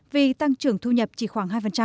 vì tăng trưởng thu nhập chỉ khoảng hai